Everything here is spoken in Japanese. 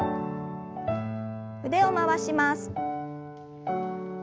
腕を回します。